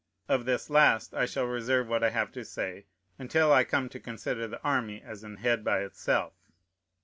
Of this last I shall reserve what I have to say, until I come to consider the army as an head by itself.